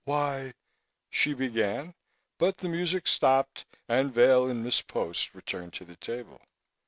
"Why " she began, but the music stopped, and Vail and Miss Post returned to the table.